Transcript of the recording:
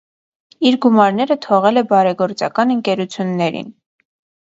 Իր գումարները թողել է բարեգործական ընկերություններին։